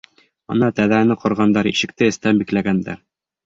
Ана, тәҙрәне ҡорғандар, ишекте эстән бикләгәндәр!